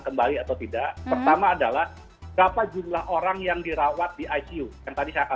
pemirta tim purw stars yang telah memperkirakan teman yang tersifat kesehatan dari perang